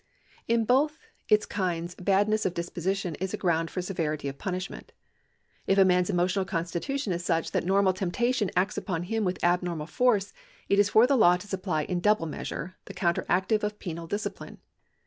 In both its kinds badness of disposition is a ground for severity of punishment. If a man's emotional constitution is such that normal temptation acts upon him with abnormal force, it is for the law to supply in double measure the § 150] LIABILITY (CONTINUED) 381 counteractive of penal discipline.